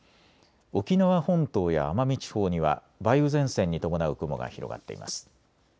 沖縄本島や奄美地方には梅雨前線に伴う雲が広がっています。